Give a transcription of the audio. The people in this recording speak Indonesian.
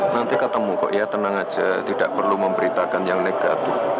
nanti ketemu kok ya tenang aja tidak perlu memberitakan yang negatif